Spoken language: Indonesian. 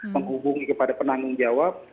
menghubungi kepada penanggung jawab